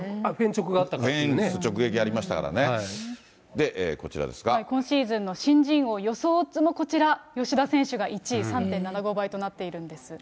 何回、フェンス直撃ありましたから今シーズンの新人王予想オッズもこちら、吉田選手が１位、３．７５倍となってるんです。